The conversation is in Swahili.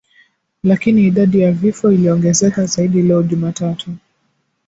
Lakini idadi ya vifo iliongezeka zaidi leo Jumatatu